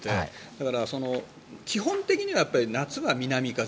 だから、基本的には夏は南風。